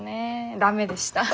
駄目でした。